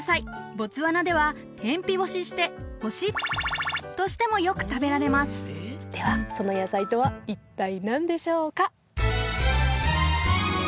ボツワナでは天日干しして干し○○としてもよく食べられますではその野菜とは一体何でしょうか？